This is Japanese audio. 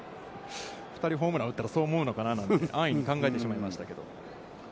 ２人ホームラン打ったらそう思うのかなと、安易に考えてしまいましたけど。